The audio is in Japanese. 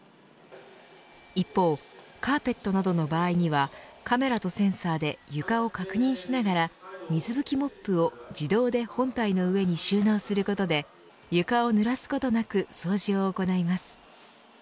一方、カーペットなどの場合にはカメラとセンサーで床を確認しながら水拭きモップを自動で本体の上に収納することで床をぬらすことなく掃除を行います。